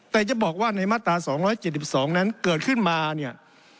แต่จะบอกว่าในมาตรา๒๗๒นั้นเกิดขึ้นมาเนี่ย